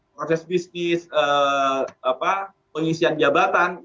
proses bisnis pengisian jabatan